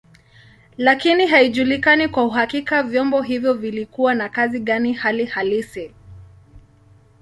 Lakini haijulikani kwa uhakika vyombo hivyo vilikuwa na kazi gani hali halisi.